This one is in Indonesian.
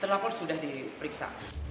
terlapor sudah diperiksa